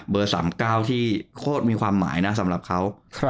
๓๙ที่โคตรมีความหมายนะสำหรับเขา